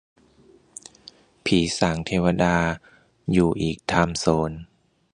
ผีสางเทวดาอยู่อีกไทม์โซน